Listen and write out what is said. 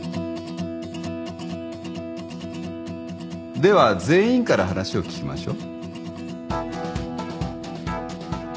では全員から話を聞きましょう。